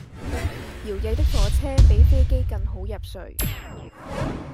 搖曳的火車比飛機更好入睡